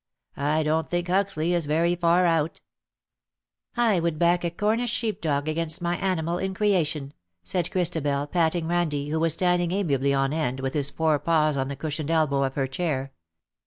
'' I don't think Huxley is very far out/^ " I would back a Cornish sheep dog against any animal in creation,^' said Christabel, patting Ran die, who was standing amiably on end, with his fore paws on the cushioned elbow of her chair.